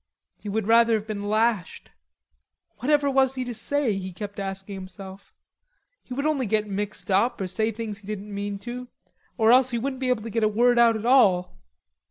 He would rather have been lashed. Whatever was he to say, he kept asking himself; he would get mixed up or say things he didn't mean to, or else he wouldn't be able to get a word out at all.